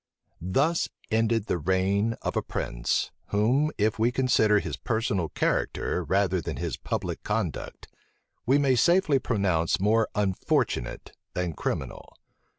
Thus ended the reign of a prince, whom if we consider his personal character rather than his public conduct, we may safely pronounce more unfortunate than criminal.